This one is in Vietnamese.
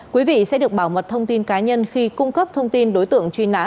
quý vị sẽ được bảo mật thông tin cá nhân khi cung cấp thông tin đối tượng truy nã